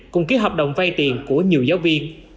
cùng ký hợp đồng vay tiền của nhiều giáo viên